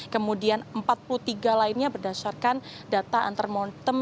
kemudian empat puluh tiga lainnya berdasarkan data antemontem